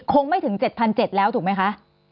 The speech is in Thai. คงไม่ถึง๗๗๐๐แล้วถูกไหมคะ